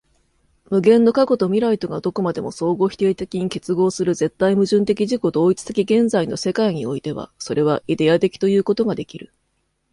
無限の過去と未来とがどこまでも相互否定的に結合する絶対矛盾的自己同一的現在の世界においては、それはイデヤ的ということができる。